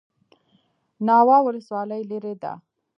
ناوه ولسوالۍ لیرې ده؟